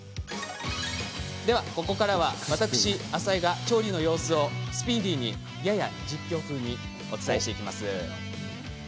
では、ここからは私、浅井が調理の様子をスピーディーに、やや実況風にお伝えしていきます。